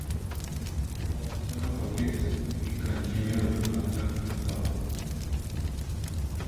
For several weeks, he continued to attack Storm.